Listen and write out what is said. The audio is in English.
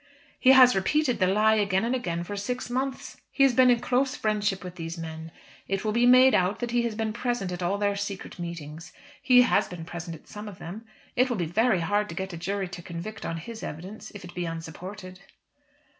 "He has repeated the lie again and again for six months. He has been in close friendship with these men. It will be made out that he has been present at all their secret meetings. He has been present at some of them. It will be very hard to get a jury to convict on his evidence if it be unsupported."